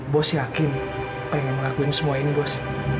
bos yakin pengen ngelakuin semua ini bos